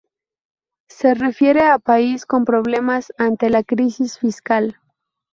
Se refiere a países con problemas ante la crisis fiscal.